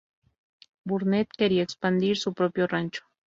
Burnett quería expandir su propio rancho.